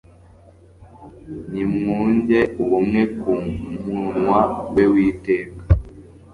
Nimwunge ubumwe ku munwa we witeka